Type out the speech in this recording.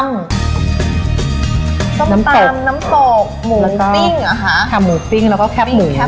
ส้มตำน้ำตกหมูปิ้งเหรอคะแคบหมูปิ้งแล้วก็แคบหมู